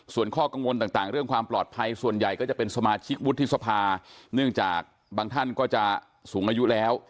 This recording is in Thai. ส่วนข้อกังวลต่างเรื่องความปลอดภัยส่วนใหญ่ก็จะเป็นสมาชิกวุฒิสภาเนื่องจากบางท่านก็จะสูงอายุแล้ว